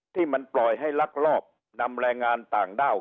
ที่มันปล่อยให้ลักลอบนำแรงงานต่างด้าว